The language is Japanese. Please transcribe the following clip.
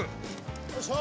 よいしょ！